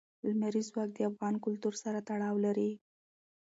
لمریز ځواک د افغان کلتور سره تړاو لري.